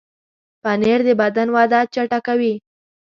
پنېر د بدن وده چټکوي.